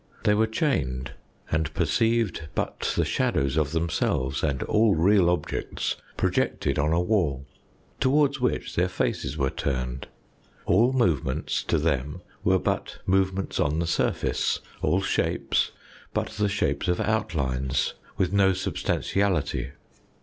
They were chained, and perceived but the shadows of them selves and all real objects projected on a wall, towards which their faces were turned. All movements to them were but movements on the surface, all shapes but the shapes of outlines with no substantiality.